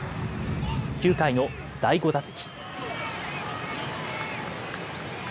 ９回の第５打席。